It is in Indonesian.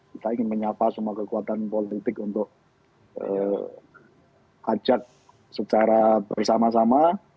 kita ingin menyapa semua kekuatan politik untuk ajak secara bersama sama